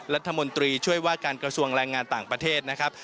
รัฐมนตรีช่วยว่าการกระทรวงแรงงานต่างประเทศนะครับ